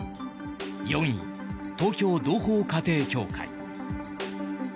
４位、東京同胞家庭教会。